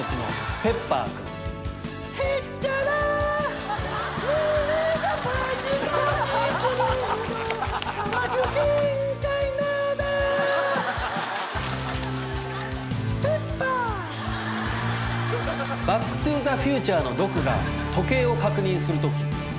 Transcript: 『バック・トゥ・ザ・フューチャー』のドクが時計を確認するとき。